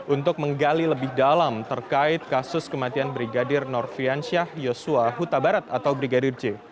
untuk menggali lebih dalam terkait kasus kematian brigadir norfiansyah yosua huta barat atau brigadir j